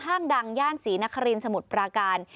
ดังย่านศรีนครินสมุทรปราการ